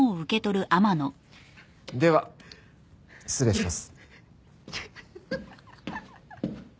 では失礼します。